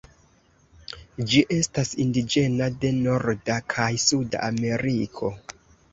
Ĝi estas indiĝena de Norda kaj Suda Ameriko.